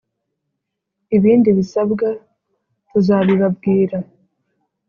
ibindi bisabwa tuzabibabwira